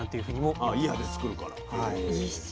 あ祖谷で作るから。